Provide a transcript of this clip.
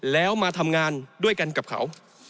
แล้วมาทำงานด้วยกันกับเขา